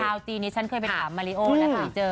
จีนนี้ฉันเคยไปถามมาริโอนะเคยเจอ